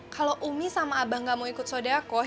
kalo umi sama abah gak mau ikut sodakoh